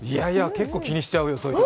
結構気にしちゃうよ。